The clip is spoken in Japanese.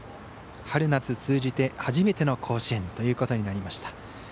春夏通じて初めての甲子園ということになりました。